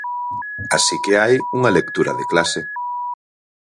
Así que hai unha lectura de clase.